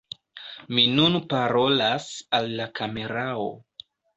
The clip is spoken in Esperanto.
Mi nun parolas al la kamerao!